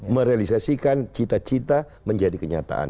merealisasikan cita cita menjadi kenyataan